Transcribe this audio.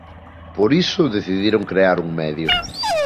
Por iso decidiron crear un medio.